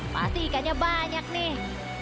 pasti ikannya banyak nih